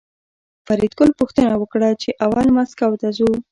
فریدګل پوښتنه وکړه چې اول مسکو ته ځو